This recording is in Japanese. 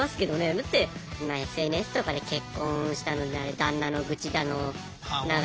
だって今ＳＮＳとかで結婚したのに旦那の愚痴だの。